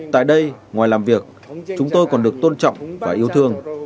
tại đây ngoài làm việc chúng tôi còn được tôn trọng và yêu thương